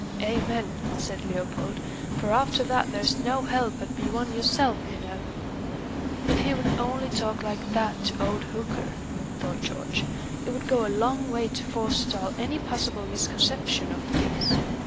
"Amen!" said Leopold: "for after that there's no help but be one yourself, you know." "If he would only talk like that to old Hooker!" thought George. "It would go a long way to forestall any possible misconception of the case."